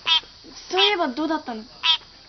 そういえばどうだったの？